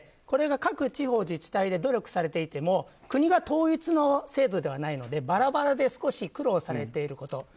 これが各地方自治体で努力されていても国が統一の制度ではないのでバラバラで苦労されていること。